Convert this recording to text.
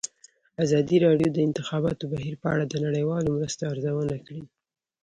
ازادي راډیو د د انتخاباتو بهیر په اړه د نړیوالو مرستو ارزونه کړې.